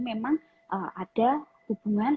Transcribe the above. memang ada hubungan